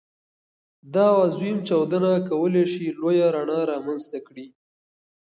دا عظيم چاودنه کولی شي لویه رڼا رامنځته کړي.